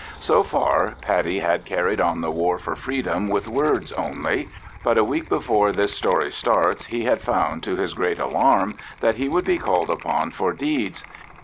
So far Paddy had carried on the war for freedom with words only, but a week before this story starts he had found to his great alarm that he would be called upon for deeds.